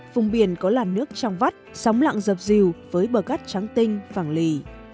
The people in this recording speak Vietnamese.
vùng biển có làn nước trong vắt sóng lặng dập dìu với bờ cát trắng tinh vàng lì